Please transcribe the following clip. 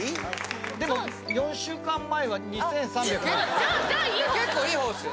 でも４週間前は２３００じゃあいい方結構いい方っすよ